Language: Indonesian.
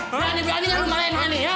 nani berani berani enggak lo malah yang ini ya